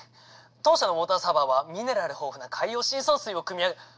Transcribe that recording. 当社のウォーターサーバーはミネラル豊富な海洋深層水をくみ上げ。